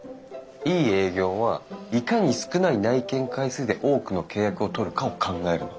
いい営業はいかに少ない内見回数で多くの契約を取るかを考えるの。